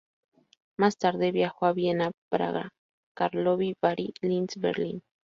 Más tarde viajó a Viena, Praga, Karlovy Vary, Linz y Berlín.